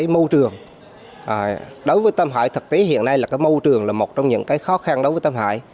môi trường đối với tâm hải thực tế hiện nay là cái môi trường là một trong những cái khó khăn đối với tâm hải